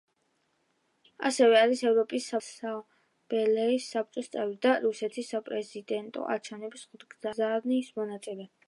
ასევე არის ევროპის საპარლამენტო ასამბლეის საბჭოს წევრი და რუსეთის საპრეზიდენტო არჩევნების ხუთგზის მონაწილე.